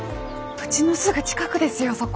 うちのすぐ近くですよそこ。